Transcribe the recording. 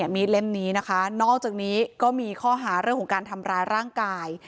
เล่มนี้นะคะนอกจากนี้ก็มีข้อหาเรื่องของการทำร้ายร่างกาย